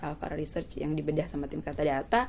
alfara research yang dibedah sama timkata data